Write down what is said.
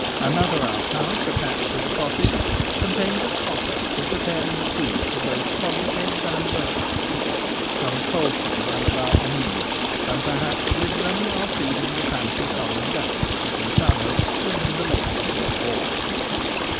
Another outhouse attached to the cottage contains a copper for preparing the food for both quadrupeds and birds. Some poultry run about the mead, and perhaps with them are feeding the fancy foreign ducks which in summer swim in the lake before the hall.